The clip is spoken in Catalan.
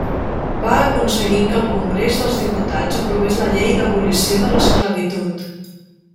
Va aconseguir que el Congrés dels Diputats aprovés la Llei d'abolició de l'esclavitud.